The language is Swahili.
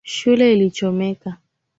Shule ilichomeka.